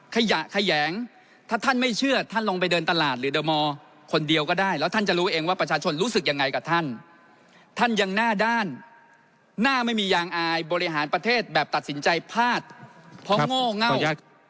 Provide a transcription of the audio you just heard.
ขยะแขยงถ้าท่านไม่เชื่อท่านลงไปเดินตลาดหรือเดอร์มอร์คนเดียวก็ได้แล้วท่านจะรู้เองว่าประชาชนรู้สึกยังไงกับท่านท่านยังหน้าด้านหน้าไม่มียางอายบริหารประเทศแบบตัดสินใจพลาดเพราะโง่เง่า